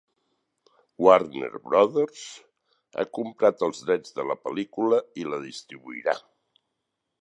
Warner Brothers ha comprat els drets de la pel·lícula i la distribuirà.